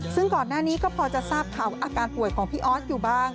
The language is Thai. ซึ่งก่อนหน้านี้ก็พอจะทราบข่าวอาการป่วยของพี่ออสอยู่บ้าง